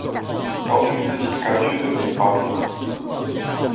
要去自己該去的地方